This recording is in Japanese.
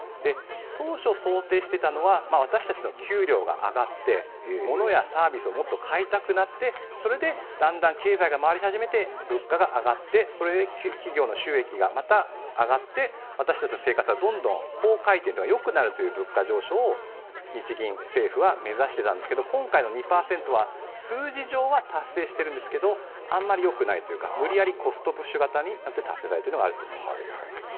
当初想定していたのは、私たちの給料が上がって物やサービスをもっと買いたくなってそれでだんだん経済が回り始めて物価が上がってそれで企業の収益がまた上がって私たちの生活が好回転、よくなるという物価上昇を日銀、政府は目指していたんですが、今回の２％は数字上は達成しているんですけど、あんまりよくないというか、無理やりコストプッシュ型になって達成されているというのがあると思います。